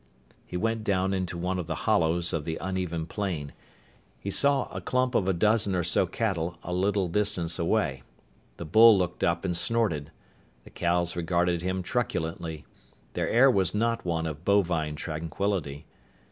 He went down into one of the hollows of the uneven plain. He saw a clump of a dozen or so cattle a little distance away. The bull looked up and snorted. The cows regarded him truculently. Their air was not one of bovine tranquility.